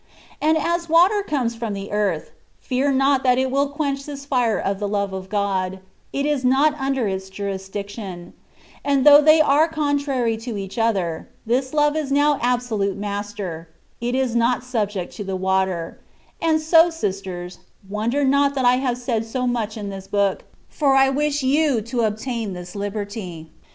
And as water comes from the earth, fear not that it will quench this fire of the love of God : it is not under its jurisdiction ; and though they are con trary to each other, this love is now absolute master; it is not subject to the water; and so, sisters, wonder not that I have said so much in this book ; for I wish you to obtain this Hberty.